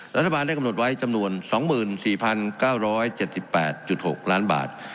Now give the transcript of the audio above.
รัฐบาลได้กำหนดไว้จำนวน๒๔๙๗๘๖ล้านบาท